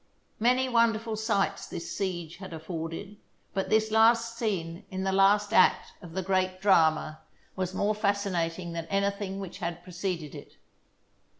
Many wonderful sights this siege had af forded, but this last scene in the last act of the great drama was more fascinating than anything which had preceded it.